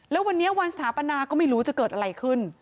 แล้ววันนี้วันสถาปนาก็ไม่รู้จะเกิดอะไรขึ้น